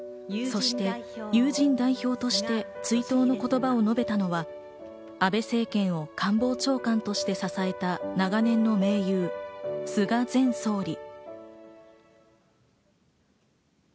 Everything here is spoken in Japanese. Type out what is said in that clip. そして、友人代表として追悼の言葉を述べたのは、安倍政権を官房長官として支えた長年の盟友・菅前総理。